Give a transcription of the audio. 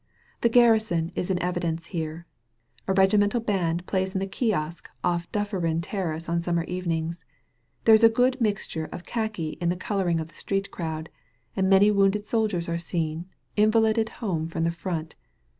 The garrison is in evidence here. A regimental band plays in the kiosk on Dufferin Terrace on smnmer evenings. There is a good mix ture of khaki in the coloring of the street crowd, and many wounded soldiers are seen, invalided home from the front.